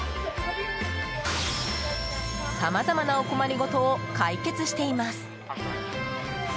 さまざまなお困りごとを解決しています。